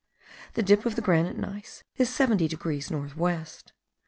The dip of the granite gneiss is 70 degrees north west.